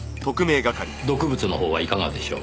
毒物の方はいかがでしょう？